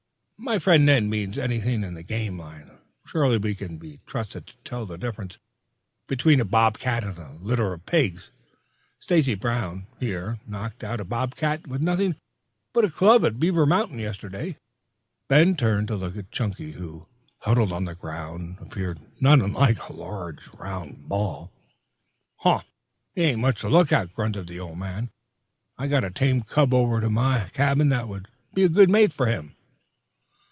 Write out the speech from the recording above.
"My friend, Ned, means anything in the game line. Surely we can be trusted to tell the difference between a bob cat and a litter of pigs. Stacy Brown, here, knocked out a bobcat with nothing but a club at Beaver Mountain yesterday." Ben turned to look at Chunky, who, huddled on the ground, appeared not unlike a large, round ball. "Huh! He ain't much to look at," grunted the old man. "I got a tame cub over to my cabin that would be a good mate for him."